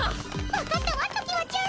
わかったわときわちゃん！